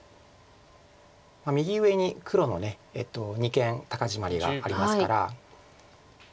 右上に黒の二間高ジマリがありますから。